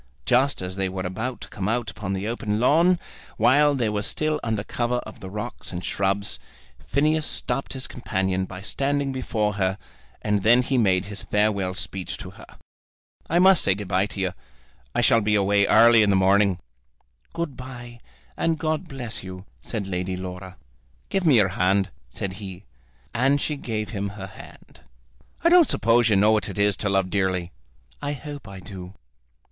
Just as they were about to come out upon the open lawn, while they were still under cover of the rocks and shrubs, Phineas stopped his companion by standing before her, and then he made his farewell speech to her. "I must say good bye to you. I shall be away early in the morning." "Good bye, and God bless you," said Lady Laura. "Give me your hand," said he. And she gave him her hand. "I don't suppose you know what it is to love dearly." "I hope I do."